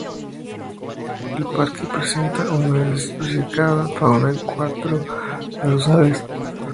El parque presenta una muy diversificada fauna en cuanto a sus aves.